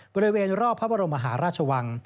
บริเวณรอบพระบรมมหาราชวัง